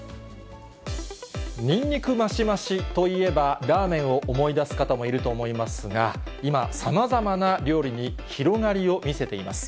ニンニクマシマシといえば、ラーメンを思い出す方もいると思いますが、今、さまざまな料理に広がりを見せています。